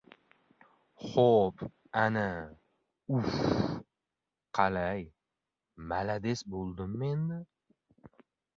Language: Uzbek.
— Xo‘p… ana… uf… qalay, malades bo‘ldimmi endi?